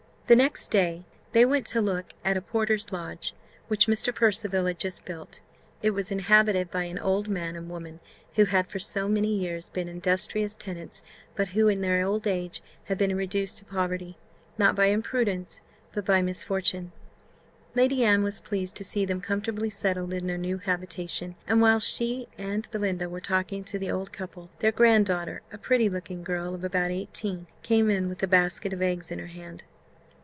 The next day they went to look at a porter's lodge, which Mr. Percival had just built; it was inhabited by an old man and woman, who had for many years been industrious tenants, but who, in their old age, had been reduced to poverty, not by imprudence, but by misfortune. Lady Anne was pleased to see them comfortably settled in their new habitation; and whilst she and Belinda were talking to the old couple, their grand daughter, a pretty looking girl of about eighteen, came in with a basket of eggs in her hand.